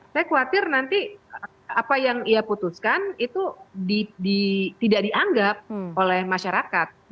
saya khawatir nanti apa yang ia putuskan itu tidak dianggap oleh masyarakat